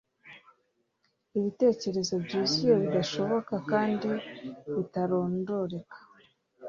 Ibitekerezo byuzuye bidashoboka kandi bitarondoreka